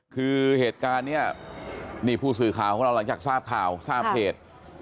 คือเหตุการณ์เนี่ยนี่ผู้สื่อข่าวของเราหลังจากทราบข่าวทราบเพจ